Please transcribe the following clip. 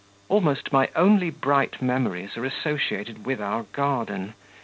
Almost my only bright memories are associated with our garden.